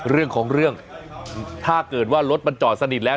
เรื่องของเรื่องถ้าเกิดว่ารถมันจอดสนิทแล้ว